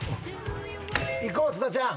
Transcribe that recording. いこう津田ちゃん。